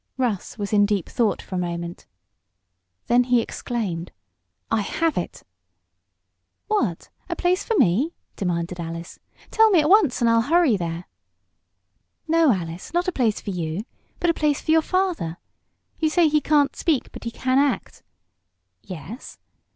Russ was in deep thought for a moment. Then he exclaimed: "I have it!" "What? A place for me?" demanded Alice. "Tell me at once, and I'll hurry there." "No, Alice, not a place for you; but a place for your father. You say he can't speak, but he can act?" "Yes."